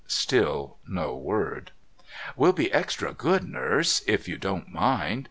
Still no word. "We'll be extra good, Nurse, if you don't mind.